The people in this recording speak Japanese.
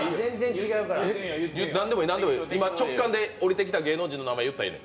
何でもいい、今、直感で降りてきた芸能人の名前言ったらええ。